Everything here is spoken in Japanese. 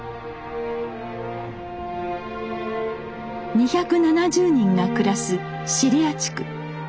２７０人が暮らす尻屋地区。